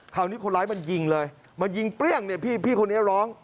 คราวนี้คนร้ายมันยิงเลยมันยิงเปรี้ยงเนี่ยพี่คนนี้ร้อง